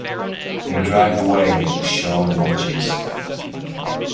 They drive away as Sean watches.